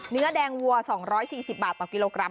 เนื้อแดงวัว๒๔๐บาทต่อกิโลกรัม